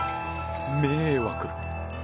「迷惑」。